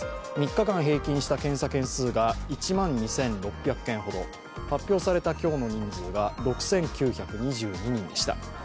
３日間平均した検査件数が１万２６００件ほど発表された今日の人数が６９２２人でした。